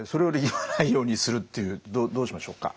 どどうしましょうか。